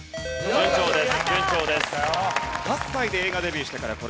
順調です。